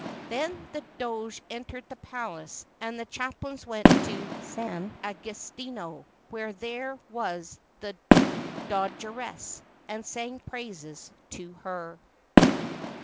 Then the Doge entered the palace, and the chap lains went to S. Agostino, where there was the Doga ressa, and sang praises to her.